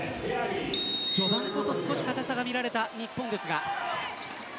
序盤こそ少し硬さが見られた日本でしたが。